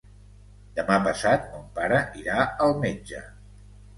Demà passat mon pare irà al metge.